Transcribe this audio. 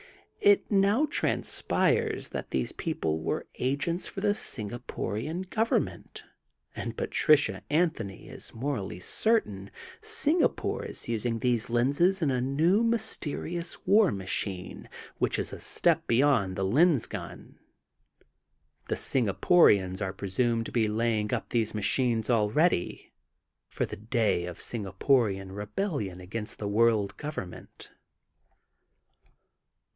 It now transpires that these people were agents for the Singaporian Government and Patricia Anthony is morally certain, Singapore is using these lenses in the new mysterious war machine which is a step be yond the lens gun. The Singaporians are presumed to be laying up these machines already, for the day of Singaporian rebellion against the World Government.